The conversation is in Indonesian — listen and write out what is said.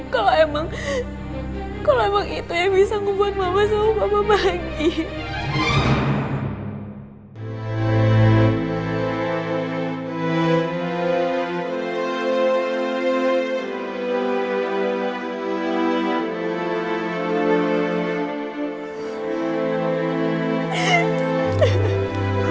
kalau emang itu yang bisa membuat mama sama papa bahagia